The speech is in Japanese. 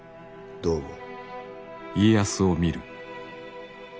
どう思う？